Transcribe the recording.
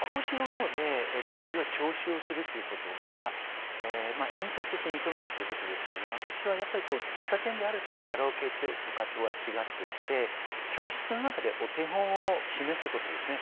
講師のほうでそれは徴収するということが演奏として認めるということですが、私は喫茶店とかカラオケとかとは違っていて、教室の中でお手本を示すことですよね。